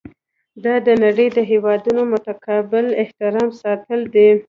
دا د نړۍ د هیوادونو متقابل احترام ساتل دي.